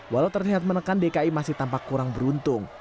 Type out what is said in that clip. walau terlihat menekan dki masih tampak kurang beruntung